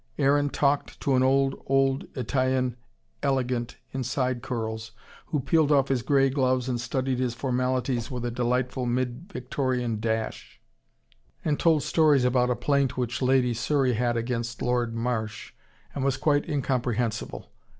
Aaron talked to an old, old Italian elegant in side curls, who peeled off his grey gloves and studied his formalities with a delightful Mid Victorian dash, and told stories about a plaint which Lady Surry had against Lord Marsh, and was quite incomprehensible.